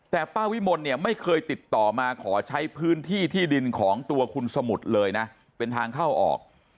แต่ป้าวิมลเนี่ยไม่เคยติดต่อมาขอใช้พื้นที่ที่ดินของตัวคุณสมุทรเลยนะเป็นทางเข้าออก